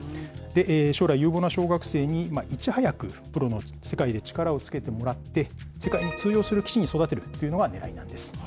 将来有望な小学生にいち早く、プロの世界で力をつけてもらって、世界に通用する棋士に育てるっていうのがねらいなんです。